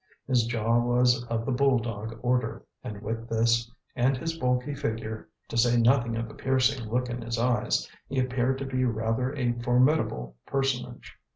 His jaw was of the bull dog order, and with this, and his bulky figure, to say nothing of the piercing look in his eyes, he appeared to be rather a formidable personage.